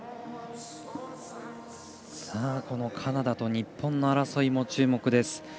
カナダと日本の争いも注目です。